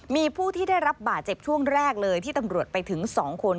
มีผู้ที่ได้รับบาดเจ็บช่วงแรกเลยที่ตำรวจไปถึง๒คน